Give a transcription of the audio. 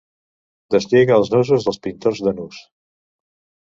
Deslliga els nusos dels pintors de nus.